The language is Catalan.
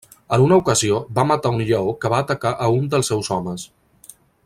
En una ocasió va matar un lleó que va atacar a un dels seus homes.